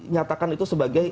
nyatakan itu sebagai